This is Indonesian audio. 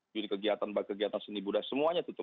yaitu kegiatan kegiatan seni budaya semuanya tutup